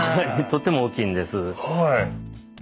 とっても大きいんです。